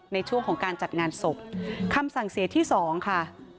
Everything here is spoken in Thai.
ในช่วงของการจัดงานศพคำสั่งเสียที่สองค่ะ